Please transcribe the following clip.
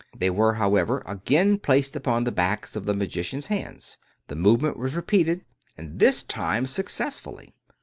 They were, however, again placed upon the backs of the magician's hands ; the move^ ment was repeated, and this time successfully.